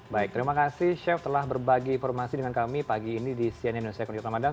baik terima kasih chef telah berbagi informasi dengan kami pagi ini di cnn indonesia connected ramadan